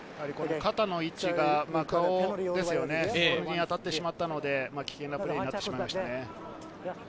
肩の位置が顔に当たってしまったので、危険なプレーになってしまいましたね。